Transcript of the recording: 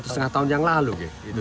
setengah tahun yang lalu